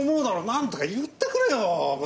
なんとか言ってくれよ！